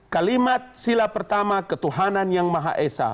kalimat sila pertama ketuhanan yang maha esa